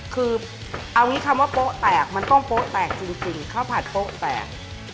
คือเอางี้คำว่าโป๊ะแตกมันต้องโป๊ะแตกจริงข้าวผัดโป๊ะแตก